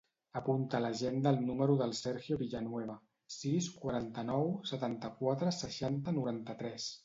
Apunta a l'agenda el número del Sergio Villanueva: sis, quaranta-nou, setanta-quatre, seixanta, noranta-tres.